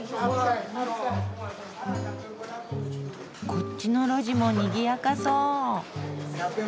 こっちの路地もにぎやかそう。